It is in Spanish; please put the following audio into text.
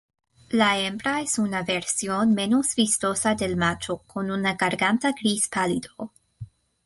La hembra es una versión menos vistosa del macho con una garganta gris pálido.